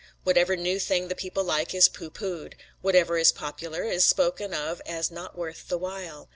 Whatever new thing the people like is pooh poohed; whatever is popular is spoken of as not worth the while.